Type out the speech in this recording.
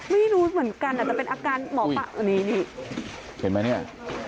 ไม่รู้เหมือนกันอ่ะแต่เป็นอาการหมอปลานี่นี่เห็นไหมเนี้ย